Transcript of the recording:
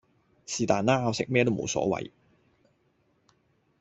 是但啦！我食咩都無所謂